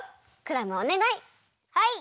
クラムおねがい！